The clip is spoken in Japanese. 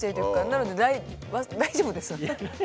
なので大丈夫です。